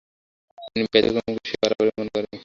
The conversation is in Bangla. এর ব্যতিক্রমকে সে বাড়াবাড়ি মনে করে।